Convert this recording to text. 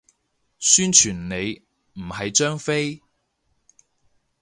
宣傳你，唔係張飛